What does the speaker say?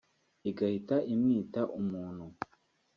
igahita imwita ’umuntu’